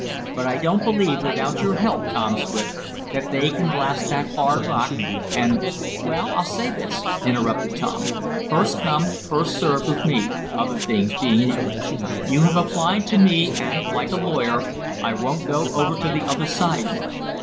But I don't believe, without your help, Tom Swift, that they can blast that hard rock, and " "Well, I'll say this," interrupted Tom, "first come, first served with me, other things being equal. You have applied to me and, like a lawyer, I won't go over to the other side now.